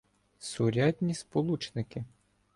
Сурядні сполучники